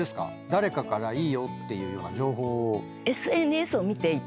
誰かからいいよっていうような情報を。